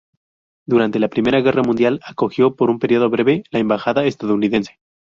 Durante la Primera guerra mundial acogió por un periodo breve a la embajada estadounidense.